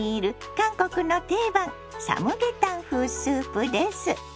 韓国の定番サムゲタン風スープです。